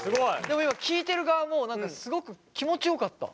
でも今聞いてる側もすごく気持ちよかった。